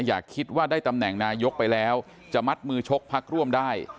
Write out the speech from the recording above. อย่าคิดว่าได้ตำแหน่งนายกไปแล้วจะมัดมือชกพักร่วมได้